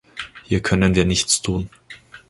Hier können wir nichts tun.